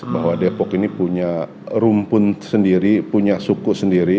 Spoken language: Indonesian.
bahwa depok ini punya rumpun sendiri punya suku sendiri